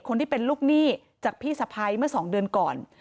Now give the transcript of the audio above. คนที่เป็นลูกหนี้จากพี่สะพ้ายเมื่อ๒เดือนก่อน